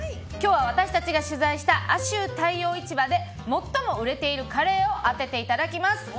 今日は、私たちが取材した亜州太陽市場で最も売れているカレーをあてていただきます。